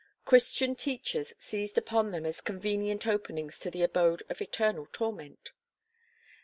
Christian teachers seized upon them as convenient openings to the abode of eternal torment.